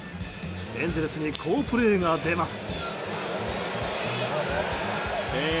エンゼルスに好プレーが出ます。